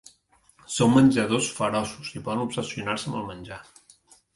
Són menjadors feroços i poden obsessionar-se amb el menjar.